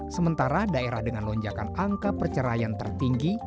sementara daerah dengan lonjakan angka perceraian tertinggi